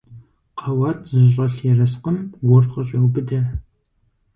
Къэуат зыщӀэлъ ерыскъым гур къыщӀеубыдэ.